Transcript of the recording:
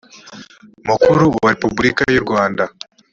mukuru wa repubulika y u rwanda